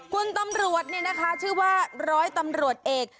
คุณตำรวจเนี่ยนะคะชื่อว่าร้อยตำรวจเอก